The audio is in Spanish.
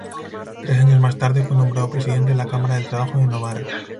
Tres años más tarde, fue nombrado presidente de la Cámara del Trabajo de Novara.